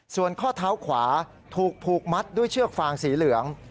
ส่วนข้อเท้าขวาถูกผูกมัดด้วยเชือกฟางสีเหลือง